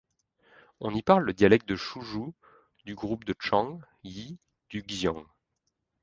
On y parle le dialecte de Zhuzhou du groupe de Chang Yi du xiang.